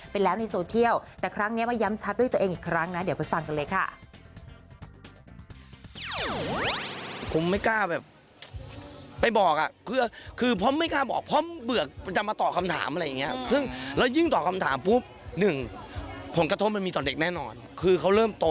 เป็นแล้วในโซเทียลแต่ครั้งเนี้ยมาย้ำชัดด้วยตัวเองอีกครั้งน่ะ